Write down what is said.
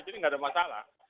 jadi nggak ada masalah